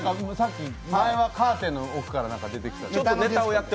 前はカーテンの奥から出てきた。